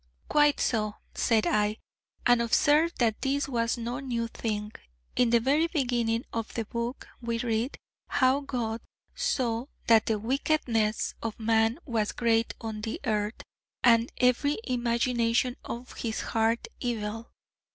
'Quite so,' said I: 'and observe that this was no new thing: in the very beginning of the Book we read how God saw that the wickedness of man was great on the earth, and every imagination of his heart evil....'